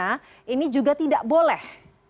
karena ini juga tidak boleh